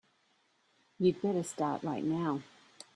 You'd better start right now.